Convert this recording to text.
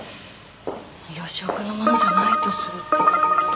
義男君のものじゃないとすると。